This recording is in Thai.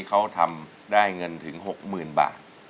เขาทำได้เงินถึงหกหมื่นบาท